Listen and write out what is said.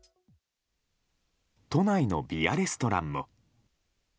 都内のビアレストランも。